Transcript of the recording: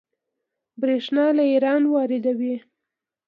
بریښنا له ایران واردوي